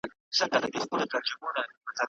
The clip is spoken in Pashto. دولت اوس پاليسۍ بدلوي.